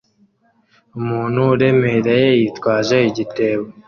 Umuntu uremereye yitwaje igitebo